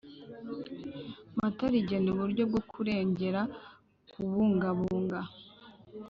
Mata rigena uburyo bwo kurengera kubungabunga